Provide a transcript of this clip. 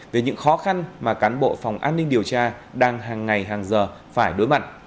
về những khó khăn mà cán bộ phòng an ninh điều tra đang hàng ngày hàng giờ phải đối mặt